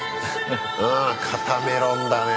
うん肩メロンだね。